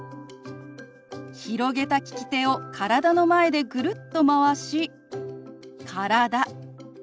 広げた利き手を体の前でぐるっとまわし「体」。